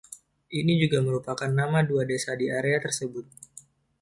Ini juga merupakan nama dua desa di area tersebut.